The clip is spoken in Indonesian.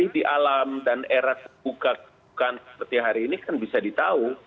tapi di alam dan era terbuka seperti hari ini kan bisa ditahu